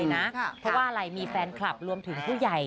เพราะว่าอะไรมีแฟนคลับรวมถึงผู้ใหญ่